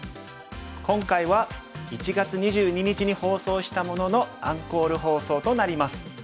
今回は１月２２日に放送したもののアンコール放送となります。